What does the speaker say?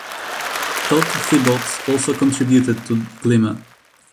Todd Thibaud also contributed to "Glimmer".